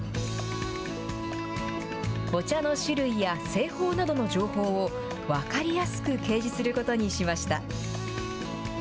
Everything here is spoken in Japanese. お茶の種類や製法などの情報を、分かりやすく掲示することにしました。